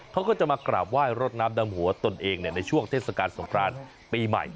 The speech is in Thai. เขาก็จะมากราบไหว้รดน้ำดำหัวตนเองในช่วงเทศกาลสงครานปีใหม่